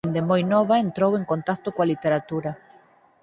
Dende moi nova entrou en contacto coa literatura.